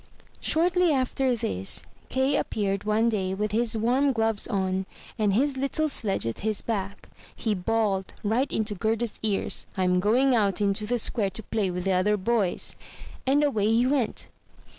Shortly after this, Kay appeared one day with his warm gloves on, and his little sledge at his back. He bawled right into Gerda's ears, "Fm going out into the square to play with the other boys," and away he went.